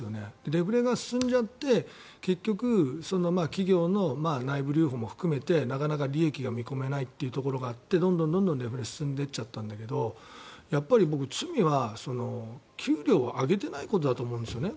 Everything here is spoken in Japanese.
デフレが進んじゃって結局、企業の内部留保も含めてなかなか利益が見込めないというところもあってどんどんデフレが進んでいったんだけど罪は給料を上げてないことだと思うんですね。